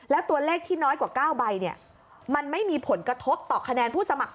แล้วตัวเลขที่น้อยกว่า๙ใบมันไม่มีผลกระทบต่อคะแนนผู้สมัคร